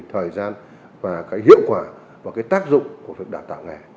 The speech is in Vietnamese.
thời gian và hiệu quả và tác dụng của việc đào tạo nghề